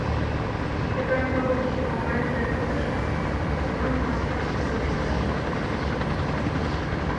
Чыган таборышто оҥайже пытышат, чылан апшаткудо деке ошкыльыч.